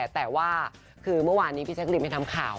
แต่ว่าคือเมื่อวานนี้พี่แจ๊กรีนไปทำข่าว